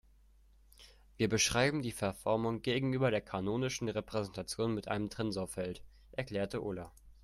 "Wir beschreiben die Verformung gegenüber der kanonischen Repräsentation mit einem Tensorfeld", erklärte Ulla.